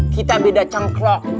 kita beda cangklok